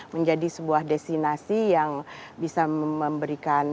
menjadi sebuah destinasi yang bisa memberikan